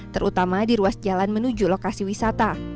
terutama di ruas jalan menuju lokasi wisata